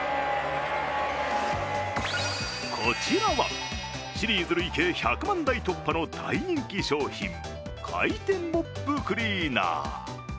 こちらはシリーズ累計１００万台突破の大人気商品回転モップクリーナー。